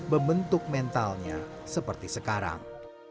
membentuk mentalnya seperti sekarang